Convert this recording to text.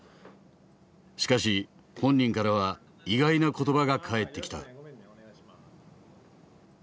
しかし本人からは意外な言葉が返ってきた。